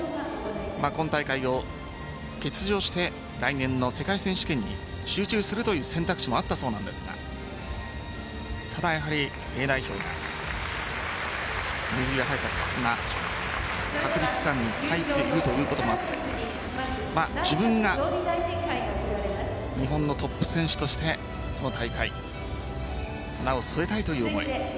今大会を欠場して来年の世界選手権に集中するという選択肢もあったそうなんですがただ、Ａ代表が水際対策で隔離期間に入っているということもあって自分が日本のトップ選手としてこの大会花を添えたいという思い